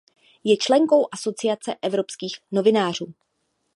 Je členkou Asociace evropských novinářů.